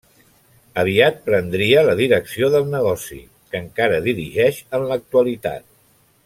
Aviat prendria la direcció del negoci, que encara dirigeix en l'actualitat.